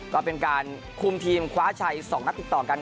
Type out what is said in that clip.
ก็เป็นการคุมทีมคว้าชัย๒นัดติดต่อกัน